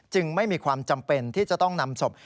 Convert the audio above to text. ไม่มีความจำเป็นที่จะต้องนำศพ